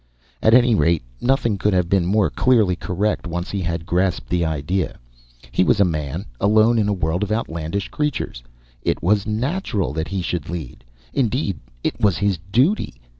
At, any rate, nothing could have been more clearly correct once he had grasped the idea. He was a Man, alone in a world of outlandish creatures. It was natural that he should lead; indeed, it was his duty.